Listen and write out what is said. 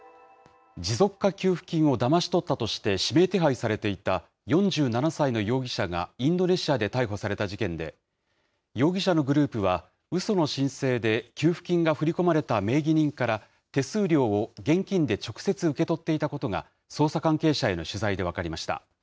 持続化給付金をだまし取ったとして指名手配されていた、４７歳の容疑者がインドネシアで逮捕された事件で、容疑者のグループはうその申請で給付金が振り込まれた名義人から、手数料を現金で直接受け取っていたことが、捜査関係者への取材で分かりました。